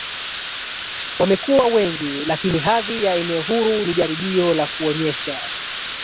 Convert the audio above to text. wamekuwa wengi lakini hadhi ya eneo huru ni jaribio la kuonyesha